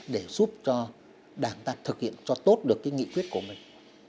để giúp cho đảng ta thực hiện cho tốt được cái nghị quyết của mình